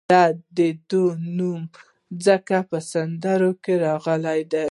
د ده نوم ځکه په سندرو کې راغلی دی.